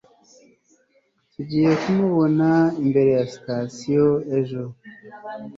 tugiye kumubona imbere ya sitasiyo ejo